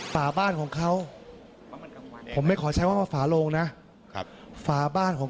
ฝาบ้านของเขาผมไม่ขอใช้ว่าฝาโลงนะครับฝาบ้านของ